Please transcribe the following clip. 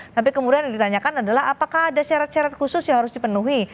tapi kemudian yang ditanyakan adalah apakah ada syarat syarat khusus yang harus dipenuhi